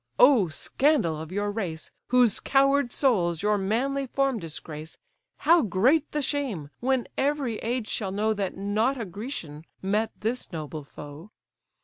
O scandal of your race, Whose coward souls your manly form disgrace, How great the shame, when every age shall know That not a Grecian met this noble foe!